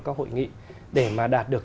các hội nghị để mà đạt được